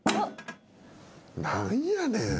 何やねん。